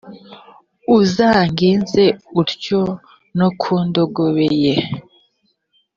uzagenze utyo no ku ndogobe ye,